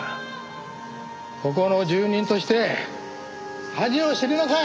ここの住人として恥を知りなさい！